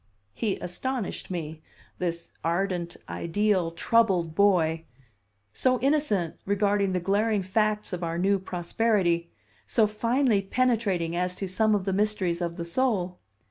He astonished me, this ardent, ideal, troubled boy; so innocent regarding the glaring facts of our new prosperity, so finely penetrating as to some of the mysteries of the soul.